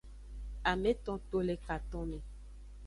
Ameto to le katonme.